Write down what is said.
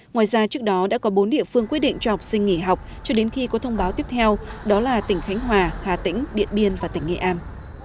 ngoài ra trước đó đã có bốn địa phương quyết định cho học sinh nghỉ học cho đến khi có thông báo tiếp theo đó là tỉnh khánh hòa hà tĩnh điện biên và tỉnh nghệ an